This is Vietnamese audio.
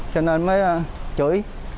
cho nên mới chửi